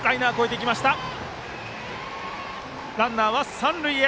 ランナーは三塁へ。